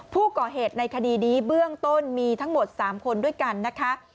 ผู้ก่อเหตุในคดีนี้เบื้องต้นมีทั้งหมด๓คนด้วยกันนะคะ